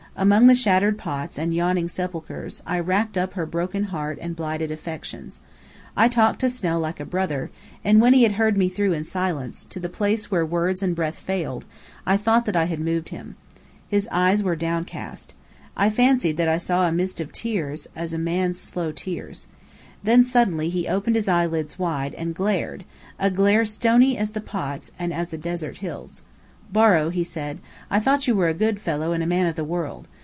Among the shattered pots and yawning sepulchres, I racked up her broken heart and blighted affections. I talked to Snell like a brother, and when he had heard me through in silence, to the place where words and breath failed, I thought that I had moved him. His eyes were downcast. I fancied that I saw a mist as of tears, a man's slow tears. Then suddenly he opened his eyelids wide, and glared a glare stony as the pots, and as the desert hills. "Borrow," he said, "I thought you were a good fellow and a man of the world.